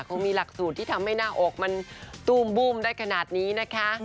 คงมีหลักสูตรที่ทำให้หน้าอกมันตู้มบุ้มได้ขนาดนี้นะคะ